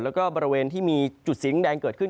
แล้วก็บริเวณที่มีจุดสีแดงเกิดขึ้น